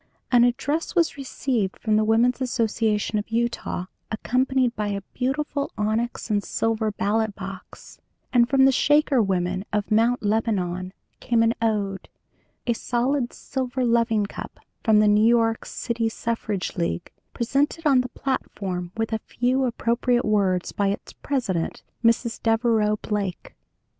An address was received from the Women's Association of Utah, accompanied by a beautiful onyx and silver ballot box; and from the Shaker women of Mount Lebanon came an ode; a solid silver loving cup from the New York City Suffrage League, presented on the platform with a few appropriate words by its President, Mrs. Devereux Blake.